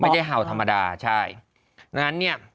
ไม่ได้เห่าธรรมดาใช่